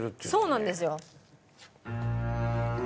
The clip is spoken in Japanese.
そうなんですよ。